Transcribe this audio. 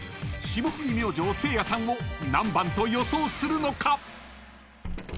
［霜降り明星せいやさんを何番と予想するのか？］